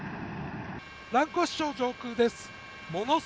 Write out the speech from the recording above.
蘭越町上空です。